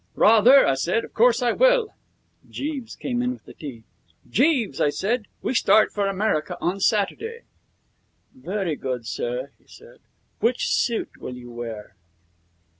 'Rather!' I said. 'Of course I will' Jeeves came in with the tea. 'Jeeves,' I said, 'we start for America on Saturday.' 'Very good, sir,' he said; 'which suit will you wear?'